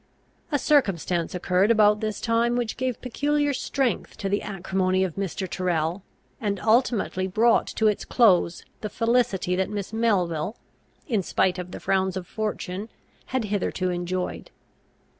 A circumstance occurred about this time which gave peculiar strength to the acrimony of Mr. Tyrrel, and ultimately brought to its close the felicity that Miss Melville, in spite of the frowns of fortune, had hitherto enjoyed.